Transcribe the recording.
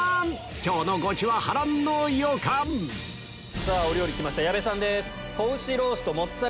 今日のゴチは波乱の予感お料理来ました矢部さんです。